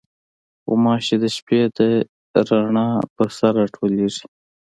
غوماشې د شپې د رڼا پر سر راټولېږي.